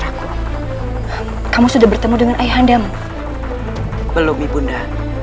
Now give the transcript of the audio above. tapi aku masih tidak enak hati ibunda